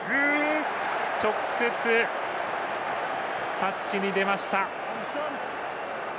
直接タッチに出ました。